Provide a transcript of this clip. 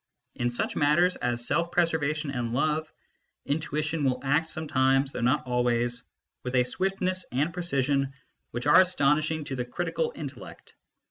In such matters as self preservation and love, intuition will act sometimes (though not always) with a swiftness and precision which are astonishing to the critical intellect.